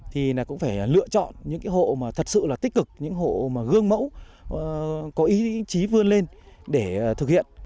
thì cũng phải lựa chọn những hộ thật sự là tích cực những hộ gương mẫu có ý chí vươn lên để thực hiện